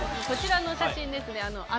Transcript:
こちらの写真ですね。